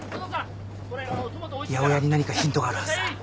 八百屋に何かヒントがあるはずだ。